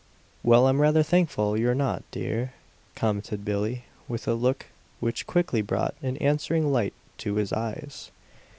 "Well, I'm rather thankful you're not, dear," commented Billie with a look which quickly brought an answering light to his eyes.